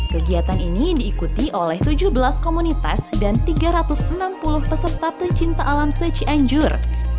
kegiatan ini diikuti oleh tujuh belas komunitas dan tiga ratus enam puluh peserta pecinta alam sechanjur